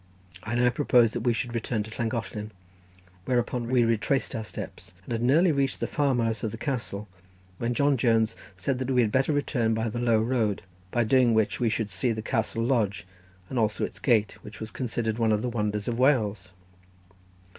I now proposed that we should return to Llangollen, whereupon we retraced our steps, and had nearly reached the farm house of the castle, when John Jones said that we had better return by the low road, by doing which we should see the castle lodge, and also its gate, which was considered one of the wonders of Wales.